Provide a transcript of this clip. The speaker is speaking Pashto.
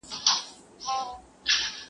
دا زه څومره بېخبره وم له خدایه٫